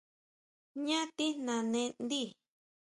¿Jñá tijnaene ndí?